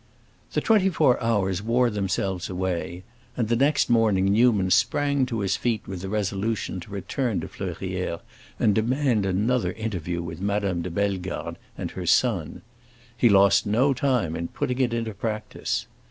The twenty four hours wore themselves away, and the next morning Newman sprang to his feet with the resolution to return to Fleurières and demand another interview with Madame de Bellegarde and her son. He lost no time in putting it into practice.